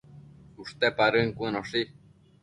ushte padën cuënoshi